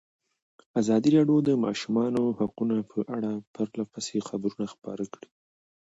ازادي راډیو د د ماشومانو حقونه په اړه پرله پسې خبرونه خپاره کړي.